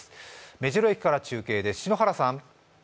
目白駅から中継です。